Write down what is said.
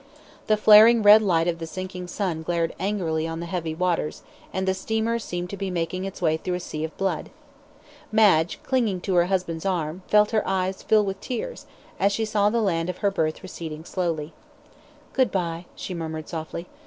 The flaring red light of the sinking sun glared angrily on the heavy waters, and the steamer seemed to be making its way through a sea of blood. Madge, clinging to her husband's arm, felt her eyes fill with tears, as she saw the land of her birth receding slowly. "Good bye," she murmured, softly.